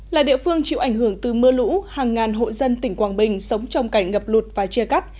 là địa phương chịu ảnh hưởng từ mưa lũ hàng ngàn hộ dân tỉnh quảng bình sống trong cảnh ngập lụt và chia cắt